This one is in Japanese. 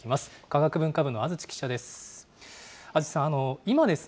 科学文化部の安土記者です。